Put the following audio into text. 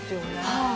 はい。